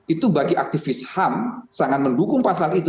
itu bagi aktivis ham sangat mendukung pasal itu